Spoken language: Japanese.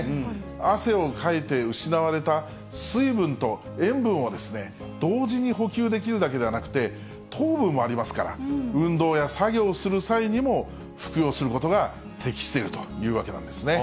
汗をかいて失われた水分と塩分を同時に補給できるだけではなくて、糖分もありますから、運動や作業をする際にも服用することが適しているということなんですね。